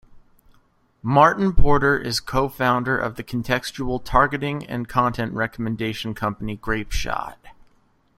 Martin Porter is co-founder of the contextual targeting and content recommendation company Grapeshot.